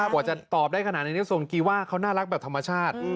กว่าจะตอบได้ขนาดนี้ส่วนกีว่าเขาน่ารักแบบธรรมชาติ